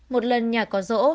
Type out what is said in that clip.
một lần nhà có rỗ